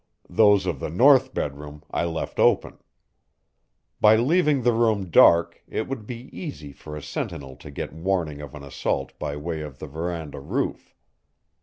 Those of the north bedroom I left open. By leaving the room dark it would be easy for a sentinel to get warning of an assault by way of the veranda roof.